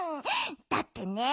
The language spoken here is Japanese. だってね